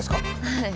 はい。